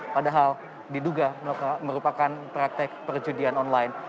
padahal diduga merupakan praktek perjudian online